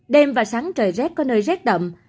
đêm và sáng trời rét có nơi rét đậm